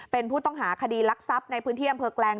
เป็นผู้ต้องหาคดีรักทรัพย์ในพื้นที่อำเภอแกลง